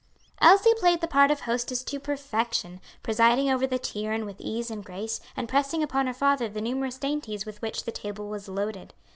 Elsie played the part of hostess to perfection, presiding over the tea urn with ease and grace, and pressing upon her father the numerous dainties with which the table was loaded.